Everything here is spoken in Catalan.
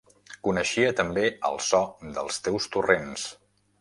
Coneixia també el so dels teus torrents